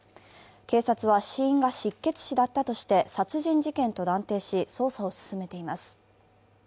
警察は死因が失血死だったとして殺人事件と断定し捜査を進めています。